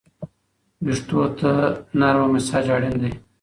ویښتو ته نرمه مساج اړین دی.